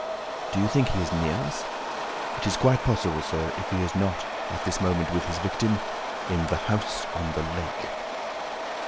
"Do you think he is near us?" "It is quite possible, Sir, if he is not, at this moment, with his victim, IN THE HOUSE ON THE LAKE."